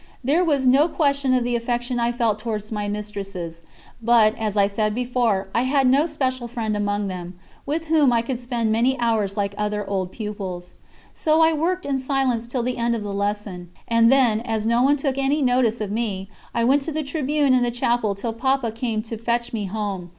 There was no question of the affection I felt towards my mistresses, but, as I said before, I had no special friend among them, with whom I could have spent many hours like other old pupils. So I worked in silence till the end of the lesson, and then, as no one took any notice of me, I went to the tribune in the Chapel till Papa came to fetch me home.